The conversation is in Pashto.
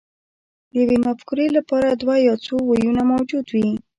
د یوې مفکورې لپاره دوه یا څو ویونه موجود وي